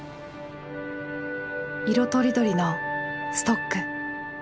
色とりどりのストック。